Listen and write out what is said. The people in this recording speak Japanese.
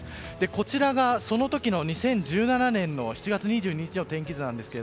こちらが、その時、２０１７年７月２２日の天気図です。